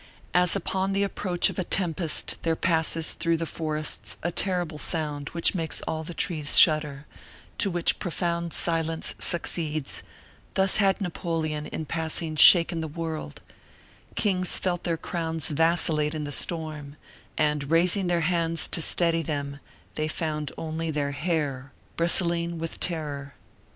As upon the approach of a tempest there passes through the forests a terrible sound which makes all the trees shudder, to which profound silence succeeds, thus had Napoleon, in passing, shaken the world; kings felt their crowns vacillate in the storm and, raising their hands to steady them, they found only their hair, bristling with terror.